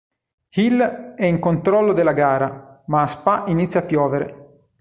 Hill è in controllo della gara, ma a Spa inizia a piovere.